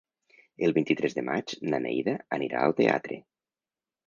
El vint-i-tres de maig na Neida anirà al teatre.